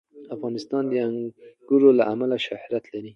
افغانستان د انګور له امله شهرت لري.